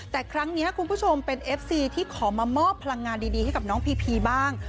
แต่ครั้งนี้คุณผู้ชมเป็นเอฟซีที่ขอมามอบพลังงานดีให้กับน้องพีพีบ้าง